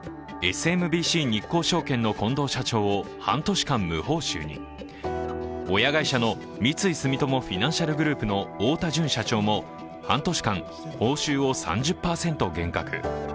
日興證券の近藤社長を半年間無報酬に親会社の三井住友フィナンシャルグループの太田純社長も半年間、報酬を３０％減額。